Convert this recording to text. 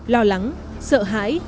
lo lắng sợ hãi